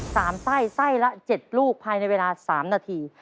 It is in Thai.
สามไส้ไส้ละเจ็ดลูกภายในเวลาสามนาที